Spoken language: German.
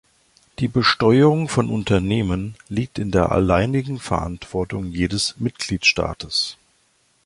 Die Besteuerung von Unternehmen liegt in der alleinigen Verantwortung jedes Mitgliedstaates.